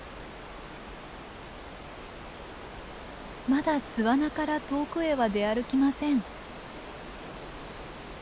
まだ巣穴から遠くへは出歩きません。